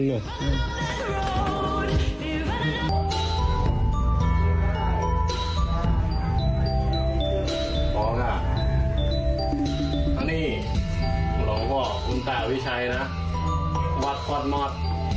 พร้อมค่ะแล้วนี่หลวงพ่ออุณตัววิชัยนะวัดพอดมอด